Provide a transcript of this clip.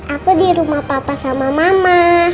aku di rumah papa sama mama